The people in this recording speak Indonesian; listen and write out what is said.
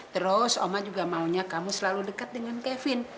terus oma juga maunya kamu selalu dekat dengan kevin